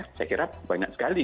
saya kira banyak sekali